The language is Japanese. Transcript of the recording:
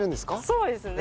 そうですね。